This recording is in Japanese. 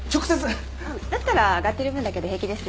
あっだったら上がってる分だけで平気ですよ。